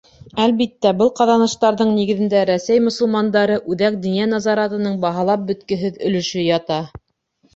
Әлбиттә, был ҡаҙаныштарҙың нигеҙендә Рәсәй мосолмандары Үҙәк диниә назаратының баһалап бөткөһөҙ өлөшө ята.